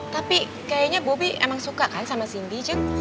tapi kayaknya bobby emang suka kan sama cindy jog